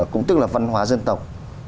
cũng tức là văn hóa dân tộc